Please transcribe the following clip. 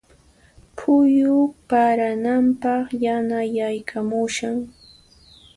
Phuyu parananpaq yanayaykamushan.